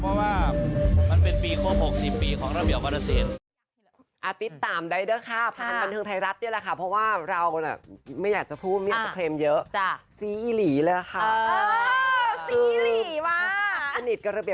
เพราะว่ามันเป็นปีครบ๖๐ปีของระเบียบวรสิน